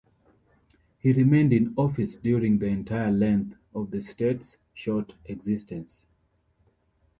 He remained in office during the entire length of the state's short existence.